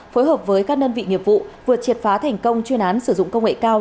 phối hợp với các đơn vị nghiệp vụ vừa triệt phá thành công chuyên án sử dụng công nghệ cao